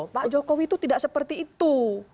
pak jokowi itu tidak seperti itu